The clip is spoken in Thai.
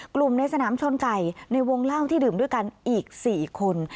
กลุ่มในสนามชนไก่ในวงเล่าที่ดื่มด้วยกันอีก๔คน